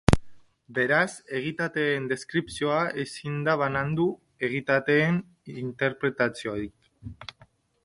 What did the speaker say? Beraz, egitateen deskripzioa ezin da banandu egitateen interpretaziotik.